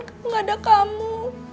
gak ada kamu